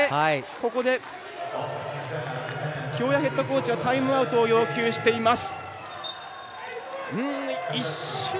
ここで、京谷ヘッドコーチがタイムアウトを要求しています。